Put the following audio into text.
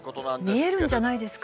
見えるんじゃないですか？